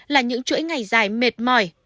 là những chuỗi ngày dài mệt mỏi